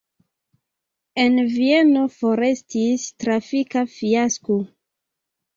En Vieno forestis trafika fiasko.